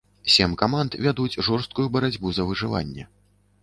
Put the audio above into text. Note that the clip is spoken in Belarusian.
Сем каманд вядуць жорсткую барацьбу за выжыванне.